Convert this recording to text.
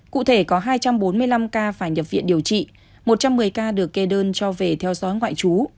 cụ thể có hai trăm bốn mươi năm ca phải nhập viện điều trị một trăm một mươi ca được kê đơn cho về theo dõi ngoại trú